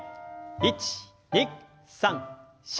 １２３４。